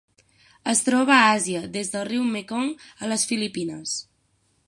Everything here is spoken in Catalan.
Es troba a Àsia: des del riu Mekong a les Filipines.